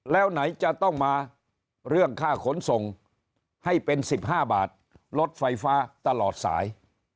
แล้วไหนจะต้องมาเรื่องค่าขนส่งให้เป็น๑๕บาทลดไฟฟ้าตลอดสาย